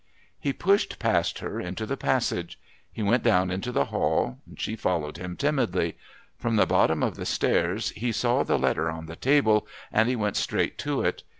He pushed past her into the passage. He went down into the hall; she followed him timidly. From the bottom of the stairs he saw the letter on the table, and he went straight to it.